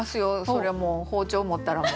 そりゃもう包丁持ったらもう。